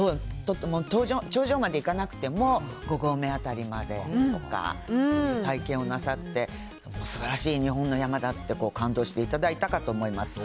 頂上まで行かなくても、５合目辺りまでとか、体験をなさって、すばらしい日本の山だって、感動していただいたかと思います。